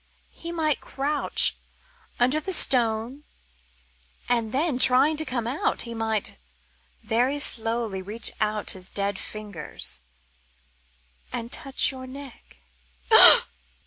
He might crouch under the stone, and then, trying to come out, he might very slowly reach out his dead fingers and touch your neck.